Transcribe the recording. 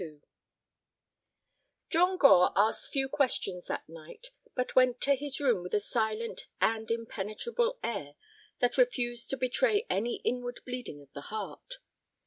XXII John Gore asked few questions that night, but went to his room with a silent and impenetrable air that refused to betray any inward bleeding of the heart.